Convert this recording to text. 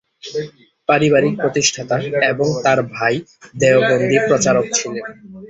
পারিবারিক প্রতিষ্ঠাতা এবং তার ভাই দেওবন্দি প্রচারক ছিলেন।